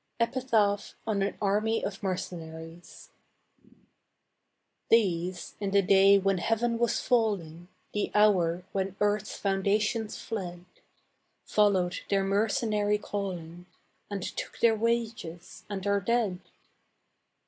EPITAPH ON AN ARMY OF MERCENARIES These, in the day when heaven was falling, The hour when earth's foundations fled, Followed their mercenary calling And took their wages and are dead.